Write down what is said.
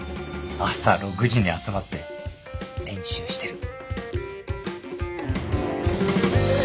朝６時に集まって練習してる。